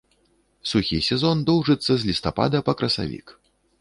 Сухі сезон доўжыцца з лістапада па красавік.